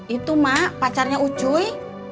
itu mak pacarnya ucuy